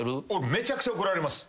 めちゃくちゃ怒られます。